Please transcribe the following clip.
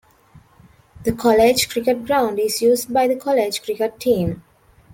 The college cricket ground is used by the college cricket team.